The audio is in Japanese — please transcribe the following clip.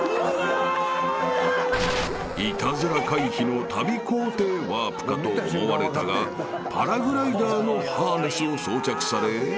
［イタズラ回避の旅行程ワープかと思われたがパラグライダーのハーネスを装着され］